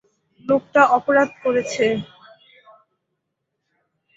লোকটা অপরাধ করেছে।